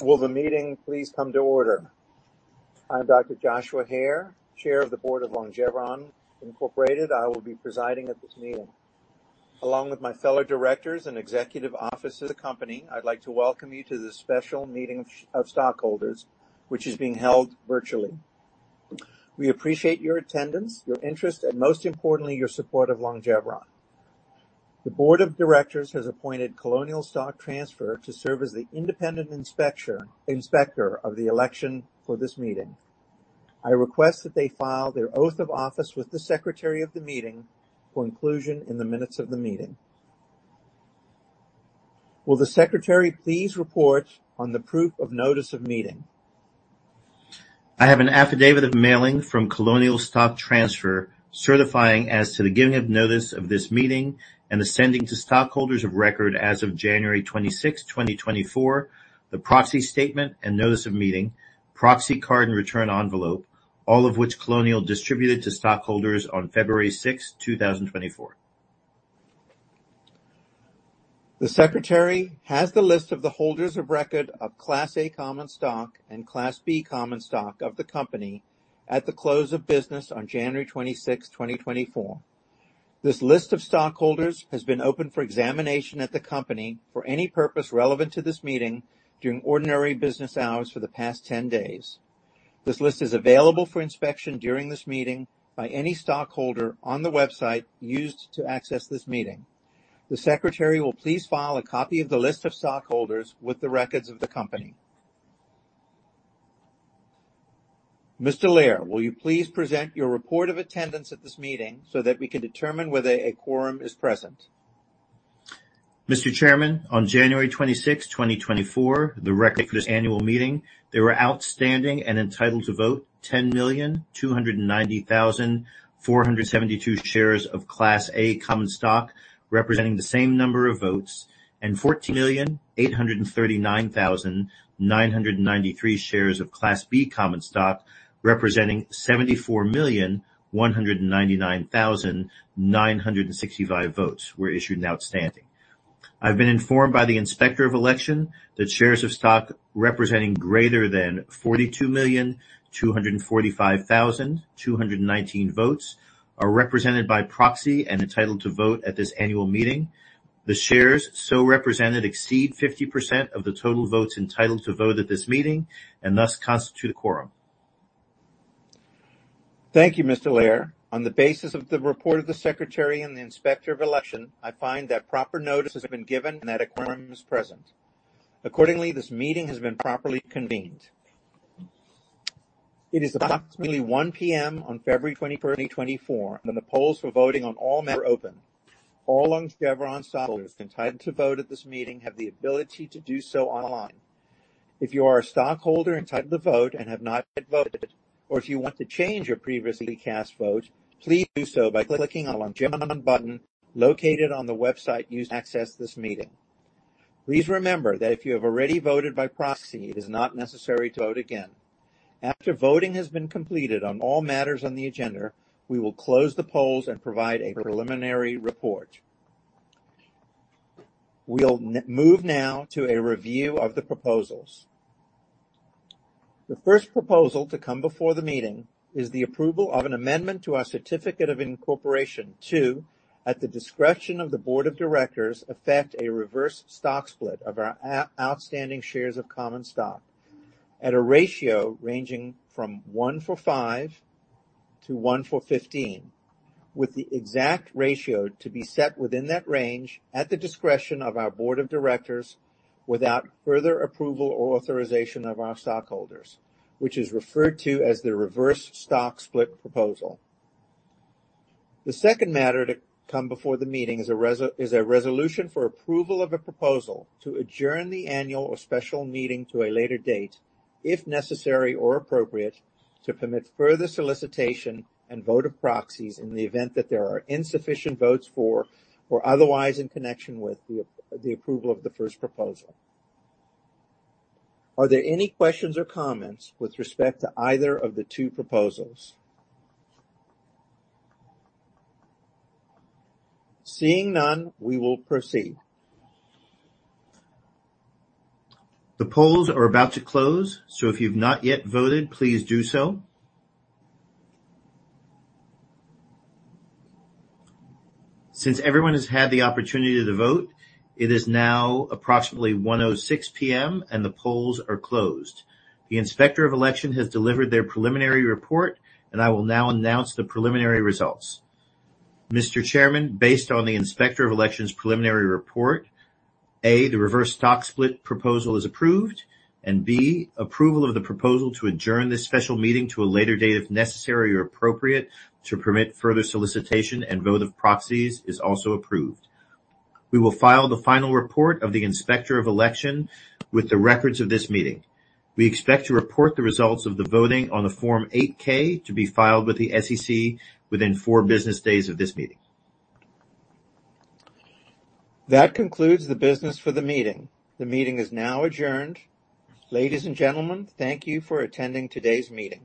Will the meeting please come to order? I'm Dr. Joshua Hare, Chair of the Board of Longeveron Incorporated. I will be presiding at this meeting. Along with my fellow directors and executive officers of the company, I'd like to welcome you to this special meeting of stockholders, which is being held virtually. We appreciate your attendance, your interest, and most importantly, your support of Longeveron. The Board of Directors has appointed Colonial Stock Transfer to serve as the independent Inspector of Election for this meeting. I request that they file their oath of office with the Secretary of the meeting for inclusion in the minutes of the meeting. Will the Secretary please report on the proof of notice of meeting? I have an affidavit of mailing from Colonial Stock Transfer certifying as to the giving of notice of this meeting and the sending to stockholders of record as of January 26, 2024, the Proxy Statement and Notice of Meeting, Proxy Card and return envelope, all of which Colonial distributed to stockholders on February 6, 2024. The Secretary has the list of the holders of record of Class A Common Stock and Class B Common Stock of the company at the close of business on January 26, 2024. This list of stockholders has been open for examination at the company for any purpose relevant to this meeting during ordinary business hours for the past 10 days. This list is available for inspection during this meeting by any stockholder on the website used to access this meeting. The Secretary will please file a copy of the list of stockholders with the records of the company. Mr. Lehr, will you please present your report of attendance at this meeting so that we can determine whether a quorum is present? Mr. Chairman, on January 26, 2024, the record date for this annual meeting, there were outstanding and entitled to vote 10,290,472 shares of Class A Common Stock representing the same number of votes, and 14,839,993 shares of Class B Common Stock representing 74,199,965 votes issued and outstanding. I've been informed by the Inspector of Election that shares of stock representing greater than 42,245,219 votes are represented by proxy and entitled to vote at this annual meeting. The shares so represented exceed 50% of the total votes entitled to vote at this meeting and thus constitute a quorum. Thank you, Mr. Lehr. On the basis of the report of the Secretary and the Inspector of Election, I find that proper notice has been given and that a Quorum is present. Accordingly, this meeting has been properly convened. It is approximately 1:00 P.M. on February 21, 2024, and the polls for voting on all matters are open. All Longeveron stockholders entitled to vote at this meeting have the ability to do so online. If you are a stockholder entitled to vote and have not yet voted, or if you want to change your previously cast vote, please do so by clicking on the Longeveron button located on the website used to access this meeting. Please remember that if you have already voted by proxy, it is not necessary to vote again. After voting has been completed on all matters on the agenda, we will close the polls and provide a preliminary report. We'll move now to a review of the proposals. The first proposal to come before the meeting is the approval of an amendment to our Certificate of Incorporation to, at the discretion of the Board of Directors, affect a Reverse Stock Split of our outstanding shares of common stock at a ratio ranging from 1:5-1:15, with the exact ratio to be set within that range at the discretion of our Board of Directors without further approval or authorization of our stockholders, which is referred to as the Reverse Stock Split proposal. The second matter to come before the meeting is a resolution for approval of a proposal to adjourn the annual or special meeting to a later date, if necessary or appropriate, to permit further solicitation and vote of proxies in the event that there are insufficient votes for or otherwise in connection with the approval of the first proposal. Are there any questions or comments with respect to either of the two proposals? Seeing none, we will proceed. The polls are about to close, so if you've not yet voted, please do so. Since everyone has had the opportunity to vote, it is now approximately 1:06 P.M., and the polls are closed. The Inspector of Election has delivered their preliminary report, and I will now announce the preliminary results. Mr. Chairman, based on the Inspector of Election's preliminary report, A, the reverse stock split proposal is approved, and B, approval of the proposal to adjourn this special meeting to a later date if necessary or appropriate to permit further solicitation and vote of proxies is also approved. We will file the final report of the Inspector of Election with the records of this meeting. We expect to report the results of the voting on the Form 8-K to be filed with the SEC within four business days of this meeting. That concludes the business for the meeting. The meeting is now adjourned. Ladies and gentlemen, thank you for attending today's meeting.